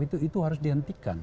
itu harus dihentikan